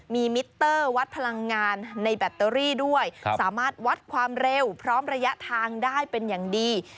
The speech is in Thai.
มีมิเตอร์วัดพลังงานในแบตเตอรี่ด้วยสามารถวัดความเร็วพร้อมระยะทางได้เป็นอย่างดี